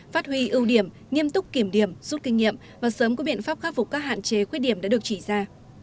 phát huy ưu điểm nghiêm túc kiểm điểm rút kinh nghiệm và sớm có biện pháp khắc phục các hạn chế khuyết điểm đã được chỉ ra